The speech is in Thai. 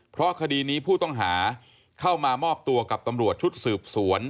เพราะคดีนี้ผู้ต้องหาเข้ามามอบตัวกับตำรวจชุดสืบสวน